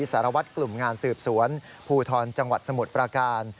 สารวัตรกลุ่มงานสืบสวนภูทรจังหวัดสมุทรประการ